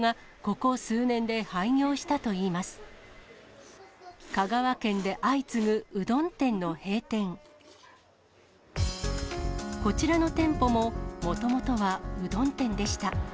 こちらの店舗も、もともとはうどん店でした。